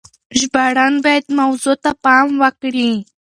ژباړن بايد موضوع ته پام وکړي.